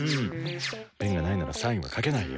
ペンがないならサインはかけないよ。